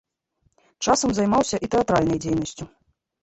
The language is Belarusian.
Часам займаўся і тэатральнай дзейнасцю.